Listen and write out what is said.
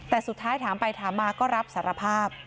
แต่สุดท้ายถามไปถามมาก็รับสารภาพ